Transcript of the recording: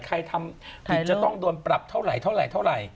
ใครทำผิดจะต้องโดนปรับเท่าไหรเท่าไหร่